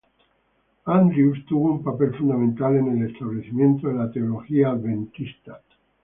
Andrews tuvo un papel fundamental en el establecimiento de la teología adventista.